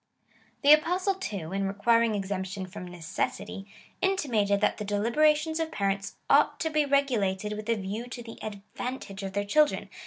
^ The Apostle, too, in re quiring exemption from necessity,^ intimated that the deli berations of parents ought to be regulated with a view to the advantage of their children.